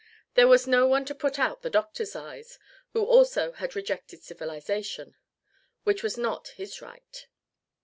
There was no one to put out the doctor's eyes, who also had rejected civilization: which was not his right.